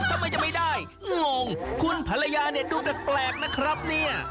ทำไมไม่ได้งงคุณภรรยาดูแตกแลกนะครับเนี่ย